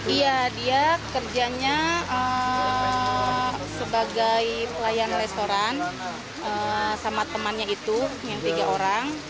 iya dia kerjanya sebagai pelayan restoran sama temannya itu yang tiga orang